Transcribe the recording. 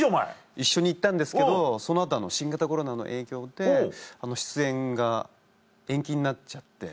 一緒に行ったんですけどその後新型コロナの影響で出演が延期になっちゃって。